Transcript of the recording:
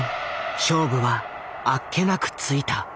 勝負はあっけなくついた。